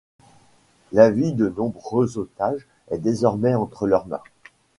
La vie de nombreux otages est désormais entre leur main.